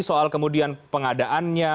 soal kemudian pengadaannya